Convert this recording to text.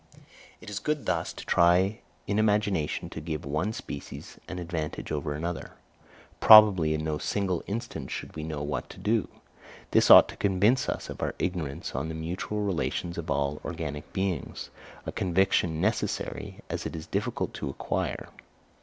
It is good thus to try in imagination to give any one species an advantage over another. Probably in no single instance should we know what to do. This ought to convince us of our ignorance on the mutual relations of all organic beings; a conviction as necessary, as it is difficult to acquire.